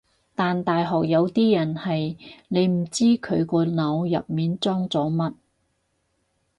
但大學有啲人係你唔知佢個腦入面裝咗乜